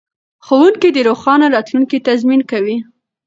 ښوونکي د روښانه راتلونکي تضمین کوي.